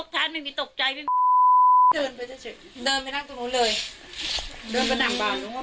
แทง